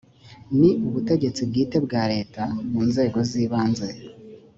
ni ubutegetsi bwite bwa leta mu nzego zibanze